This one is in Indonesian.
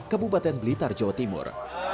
kabupaten blitar jawa timur